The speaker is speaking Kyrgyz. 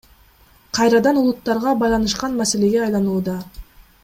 Кайрадан улуттарга байланышкан маселеге айланууда.